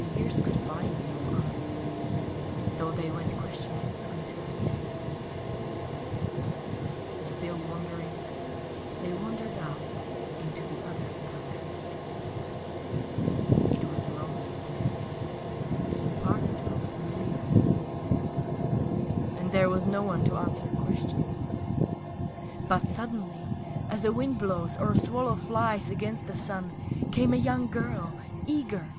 The years could find no answer, Though they went questioning Until the end. ....... Still wondering They wandered out into the other country .... It was lonely there, Being parted from familiar things, And there was no one to answer questions, But, suddenly, (As a wind blows or a swallow flies against the sun) Came a young girl eager!